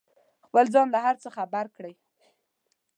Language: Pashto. خپل ځان له هر څه خبر کړئ.